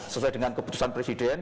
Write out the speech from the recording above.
sesuai dengan keputusan presiden